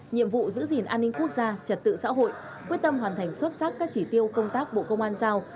nhiệm vụ giữ gìn an ninh quốc gia trật tự xã hội quyết tâm hoàn thành xuất sắc các chỉ tiêu công tác bộ công an giao